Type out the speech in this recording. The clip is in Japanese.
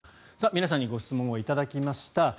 皆さんにご質問を頂きました。